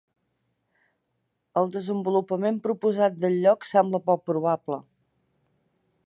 El desenvolupament proposat del lloc sembla poc probable.